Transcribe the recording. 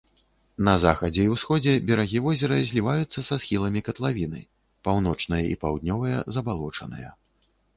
На захадзе і ўсходзе берагі возера зліваюцца са схіламі катлавіны, паўночныя і паўднёвыя забалочаныя.